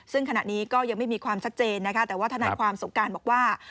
ซึ่งขณะนี้ก็ยังไม่มีความชัดเจนนะคะแต่ว่าทนายความสงการบอกว่า